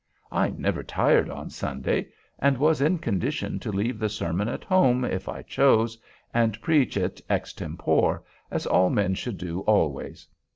I never tired on Sunday, and was in condition to leave the sermon at home, if I chose, and preach it extempore, as all men should do always.